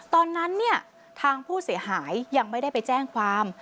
ตอนนั้นเนี่ยทางผู้เสียหายยังไม่ได้ไปแจ้งความ